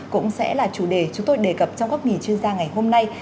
cũng sẽ là chủ đề chúng tôi đề cập trong góp nghề chuyên gia ngày hôm nay